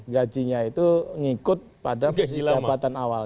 gajinya itu ngikut pada jabatan awal